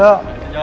makasih ya pak